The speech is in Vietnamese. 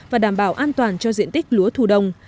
và đảm bảo an toàn cho diện tích lúa thu đông